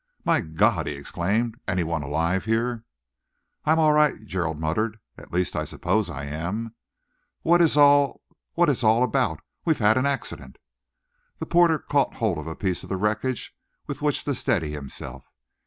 "My God!" he exclaimed. "Any one alive here?" "I'm all right," Gerald muttered, "at least, I suppose I am. What's it all what's it all about? We've had an accident." The porter caught hold of a piece of the wreckage with which to steady himself.